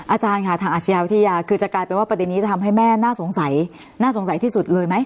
อาจารย์ค่ะทางอาชญาวิทยาคือจะกลายเป็นว่าประเด็นนี้จะทำให้แม่น่าสงสัยน่าสงสัยที่สุดเลยไหม